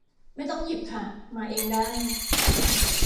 ไม่ต้องหยิบค่ะ มาเองได้